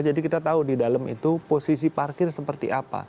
kita tahu di dalam itu posisi parkir seperti apa